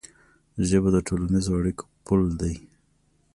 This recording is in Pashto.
ژبه د ټولنیزو اړیکو پل دی.